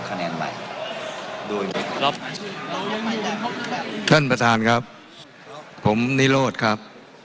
แผ่นตาแล้วเพื่อนครบไม่ใช่ตอนนั้น